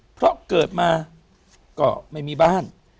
เพราะเกิดมาก็ไม่มีบ้าน